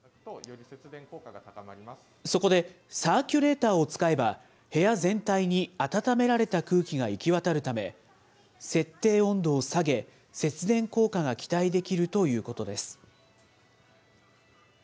そこでサーキュレーターを使えば、部屋全体に暖められた空気が行き渡るため、設定温度を下げ、節電効果が期待できるということです。